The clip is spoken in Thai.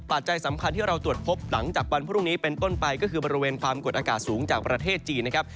ปัจจัยสำคัญที่เราตรวจพบหลังจากวันพรุ่งนี้เป็นต้นไปก็คือบริเวณความกดอากาศสูงจากประเทศจีนนะครับ